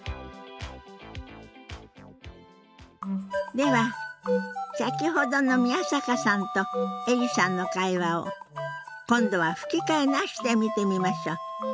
では先ほどの宮坂さんとエリさんの会話を今度は吹き替えなしで見てみましょう。